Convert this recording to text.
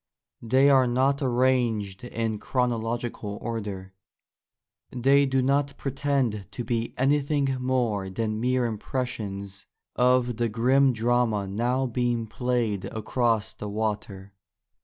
They are not arranged in chronological order ; they do not pretend to be anything more than mere impressions of the grim drama now being played across the water.